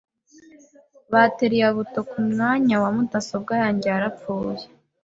Bateri ya buto kumwanya wa mudasobwa yanjye yarapfuye.